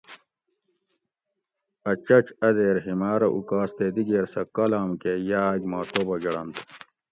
ا چچ ا دیر ہیما رہ اوکاس تے دگیر سہ کالام کہ یاگ ما توبہ گڑنت